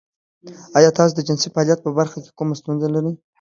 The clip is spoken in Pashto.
ایا تاسو د جنسي فعالیت په برخه کې کومه ستونزه لرئ؟